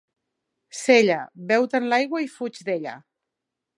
Sella, beu-te'n l'aigua i fuig d'ella.